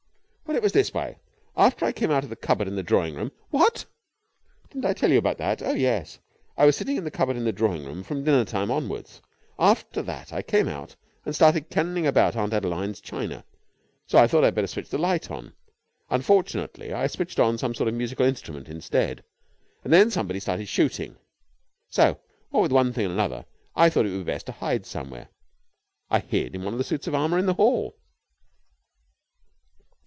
"Well, it was this way. After I came out of the cupboard in the drawing room...." "What!" "Didn't I tell you about that? Oh yes, I was sitting in the cupboard in the drawing room from dinner time onwards. After that I came out and started cannoning about among Aunt Adeline's china, so I thought I'd better switch the light on. Unfortunately I switched on some sort of musical instrument instead. And then somebody started shooting. So, what with one thing and another, I thought it would be best to hide somewhere. I hid in one of the suits of armour in the hall."